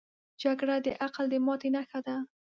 جګړه د عقل د ماتې نښه ده